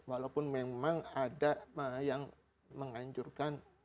walaupun memang ada yang menganjurkan